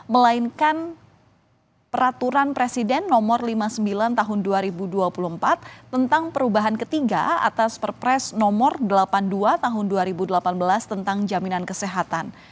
melainkan peraturan presiden nomor lima puluh sembilan tahun dua ribu dua puluh empat tentang perubahan ketiga atas perpres nomor delapan puluh dua tahun dua ribu delapan belas tentang jaminan kesehatan